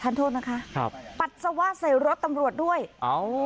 ทานโทษนะคะครับปัดสว่าใส่รถตำรวจด้วยอ้าว